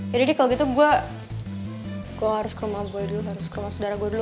yaudah deh kalo gitu gue harus ke rumah aboy dulu harus ke rumah saudara gue dulu